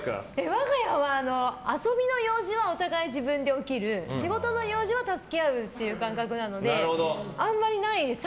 我が家は遊びの用事はお互い自分で起きる仕事の用事は助け合うっていう感覚なのであんまりないですね。